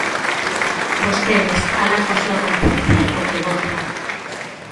Vostedes, alá coa súa conciencia e co que voten.